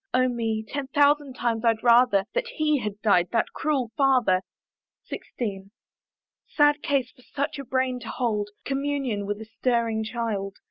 Oh me! ten thousand times I'd rather That he had died, that cruel father! XIV. Sad case for such a brain to hold Communion with a stirring child!